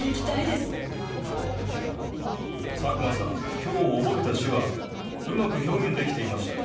今日覚えた手話うまく表現できていましたよ。